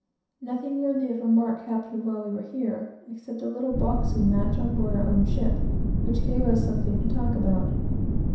Nothing worthy of remark happened while we were here, except a little boxing match on board our own ship, which gave us something to talk about.